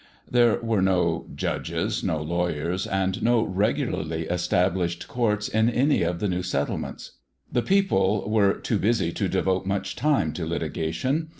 There were no judges, no lawyers, and no regularly established courts in any of the new settlements. The people were too busy to devote much time to litigation.